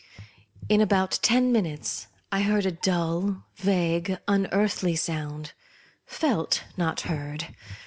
In about ten minutes I heard a dull, vague, unearthly sound ; felt, not heard.